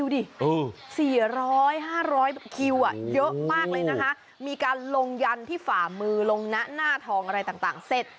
มีการลงยันที่ฝ่ามือลงนะหน้าทองอะไรต่างเสร็จ